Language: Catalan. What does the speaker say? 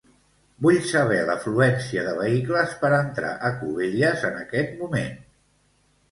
Vull saber l'afluència de vehicles per entrar a Cubelles en aquest moment.